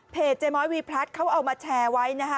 เจ๊ม้อยวีพลัดเขาเอามาแชร์ไว้นะคะ